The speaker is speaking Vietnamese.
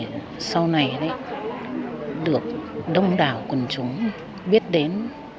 mà để sau này được đông đảo quần chúng biết đến